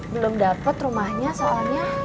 belum dapat rumahnya soalnya